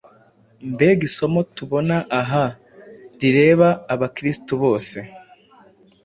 Mbega isomo tubona aha rireba Abakristo bose.